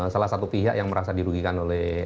salah satu pihak yang merasa dirugikan oleh